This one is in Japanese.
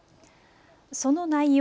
その内容。